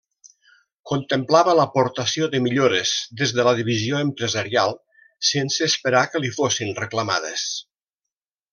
Contemplava l'aportació de millores des de la visió empresarial, sense esperar que li fossin reclamades.